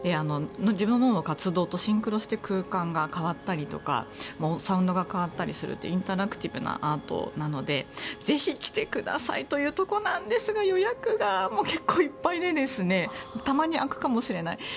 自分の脳の活動とシンクロして空間が変わったりサウンドが変わったりするというインタラクティブなアートなのでぜひ来てくださいというところなんですが予約が結構いっぱいでたまに空くかもしれない。